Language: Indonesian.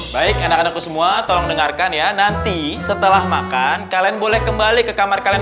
baik anak anakku semua tolong dengarkan ya nanti setelah makan kalian boleh kembali ke kamar kalian